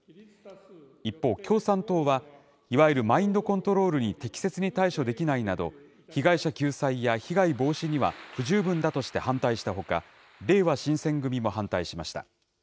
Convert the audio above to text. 一方、共産党は、いわゆるマインドコントロールに適切に対処できないなど、被害者救済や被害防止には不十分だとして反対したほか、れいわ新選組も反対しました。